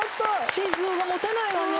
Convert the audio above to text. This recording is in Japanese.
心臓が持たないわね。